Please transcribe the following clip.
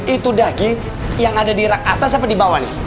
itu daging yang ada di atas apa di bawah nih